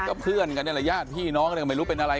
ก็เพื่อนกันนี่แหละญาติพี่น้องเนี่ยไม่รู้เป็นอะไร